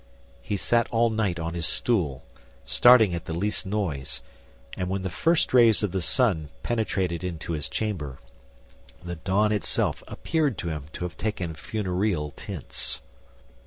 He sat all night on his stool, starting at the least noise; and when the first rays of the sun penetrated into his chamber, the dawn itself appeared to him to have taken funereal tints.